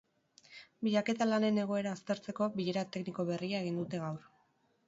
Bilaketa lanen egoera aztertzeko bilera tekniko berria egin dute gaur.